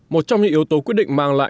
một trong những yếu tố quyết định mang lại